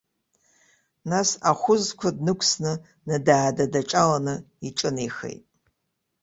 Нас, ахәызқәа днықәсны, надаада даҿалан иҿынеихеит.